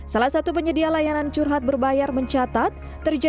salah satu penyedia layanan curhat berbayar di jagadmaya juga bermunculan